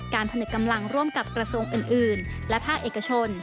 ผนึกกำลังร่วมกับกระทรวงอื่นและภาคเอกชน